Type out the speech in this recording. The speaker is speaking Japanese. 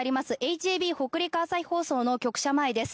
ＨＡＢ・北陸朝日放送の局舎前です。